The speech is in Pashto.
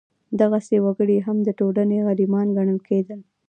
دغسې وګړي هم د ټولنې غلیمان ګڼل کېدل.